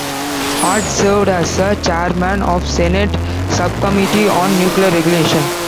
Hart served as the chairman of Senate Subcommittee on Nuclear Regulation.